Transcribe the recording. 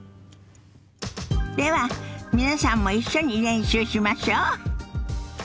では皆さんも一緒に練習しましょ。